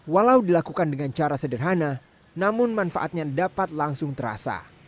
walau dilakukan dengan cara sederhana namun manfaatnya dapat langsung terasa